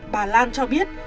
bà lan cho biết